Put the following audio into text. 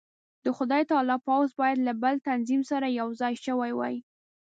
د خدای تعالی پوځ باید له بل تنظیم سره یو ځای شوی وای.